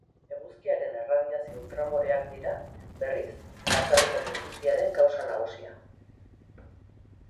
Eguzkiaren erradiazio ultramoreak dira, berriz, azaleko minbiziaren kausa nagusia.